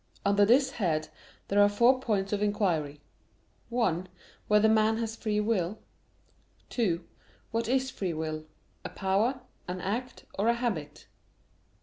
Under this head there are four points of inquiry: (1) Whether man has free will? (2) What is free will a power, an act, or a habit?